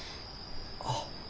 あっ。